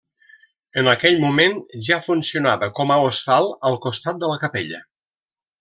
En aquell moment ja funcionava com a hostal, al costat de la capella.